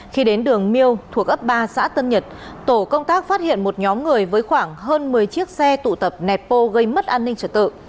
khi đến đường miêu thuộc ấp ba xã tân nhật tổ công tác phát hiện một nhóm người với khoảng hơn một mươi chiếc xe tụ tập nẹt bô gây mất an ninh trật tự